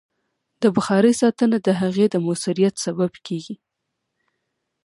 د بخارۍ ساتنه د هغې د مؤثریت سبب کېږي.